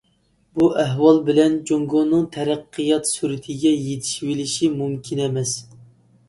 بۇ ئەھۋالى بىلەن جۇڭگونىڭ تەرەققىيات سۈرىتىگە يېتىشىۋېلىشى مۇمكىن ئەمەس.